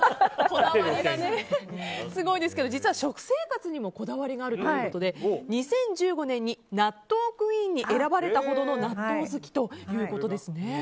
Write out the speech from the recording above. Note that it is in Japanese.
こだわりがすごいですけど実は食生活にもこだわりがあるということで２０１５年に納豆クイーンに選ばれたほどの納豆好きということですね。